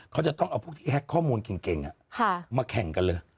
เขาจะต้องเอาพวกที่แฮ็กข้อมูลเก่งมาแข่งกันเลย